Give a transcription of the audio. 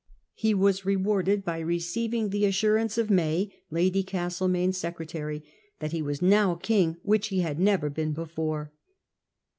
He was rewarded by receiving the assurance of May, Lady Castlemaine's secretary, that c he was now King, which he had never been before.